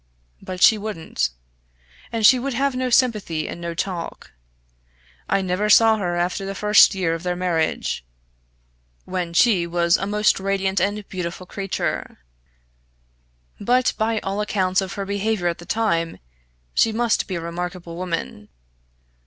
But she wouldn't. And she would have no sympathy and no talk. I never saw her after the first year of their marriage, when she was a most radiant and beautiful creature. But, by all accounts of her behaviour at the time, she must be a remarkable woman.